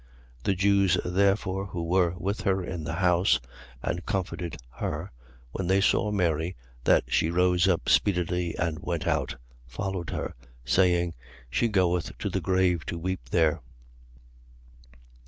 11:31. The Jews therefore, who were with her in the house and comforted her, when they saw Mary, that she rose up speedily and went out, followed her, saying: She goeth to the grave to weep there.